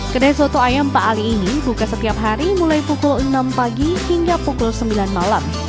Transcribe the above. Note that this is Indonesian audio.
kedai soto ayam pak ali ini buka setiap hari mulai pukul enam pagi hingga pukul sembilan malam